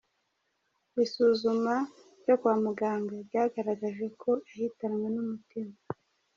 Isuzuma ryo kwa muganga ryagaragaje ko yahitanwe n’umutima.